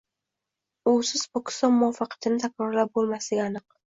usiz Pokiston muvaffaqiyatini takrorlab bo‘lmasligi aniq.